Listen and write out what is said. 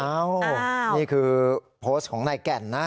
นี่คือโพสต์ของนายแก่นนะ